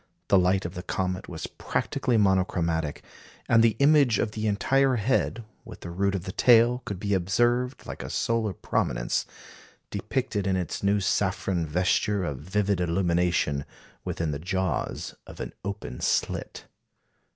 The light of the comet was practically monochromatic; and the image of the entire head, with the root of the tail, could be observed, like a solar prominence, depicted, in its new saffron vesture of vivid illumination, within the jaws of an open slit.